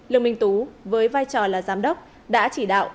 lương minh tú với vai trò là giám đốc đã chỉ đạo